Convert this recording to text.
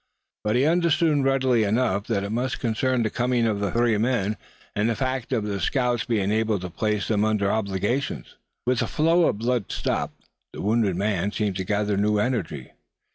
But he understood readily enough that it must concern the coming of the three men, and the fact of the scouts being enabled to place them under obligations. With the flow of blood stopped, the wounded man seemed to gather new energy.